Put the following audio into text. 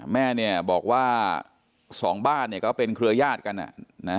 แม่เนี่ยบอกว่าสองบ้านเนี่ยก็เป็นเครือญาติกัน